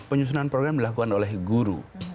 penyusunan program dilakukan oleh guru